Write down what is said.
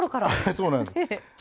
そうなんです。